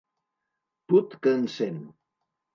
Put que encén!